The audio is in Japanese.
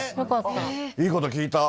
いいこと聞いた。